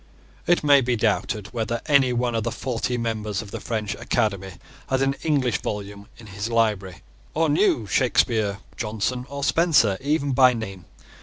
It may be doubted whether any one of the forty members of the French Academy had an English volume in his library, or knew Shakespeare, Jonson, or Spenser, even by name.